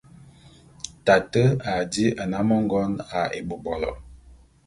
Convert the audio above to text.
Tate a dí nnám ngon ā ebôbolo.